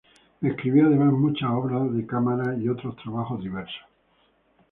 Escribió además muchas obras de cámara y otros trabajos diversos.